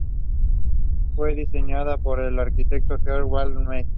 Fue diseñada por el arquitecto George Val Myer.